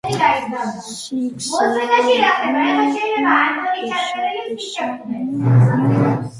ჰქონდა გამორჩეული ხმა.